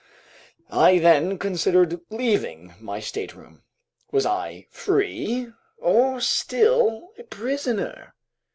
I then considered leaving my stateroom. Was I free or still a prisoner?